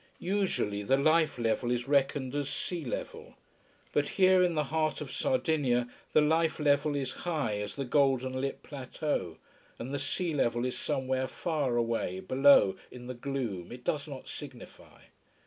Usually, the life level is reckoned as sea level. But here, in the heart of Sardinia, the life level is high as the golden lit plateau, and the sea level is somewhere far away, below, in the gloom, it does not signify.